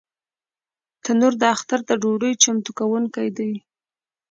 تنور د اختر د ډوډۍ چمتو کوونکی دی